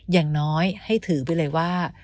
อย่างน้อยให้ถือไปเลยว่า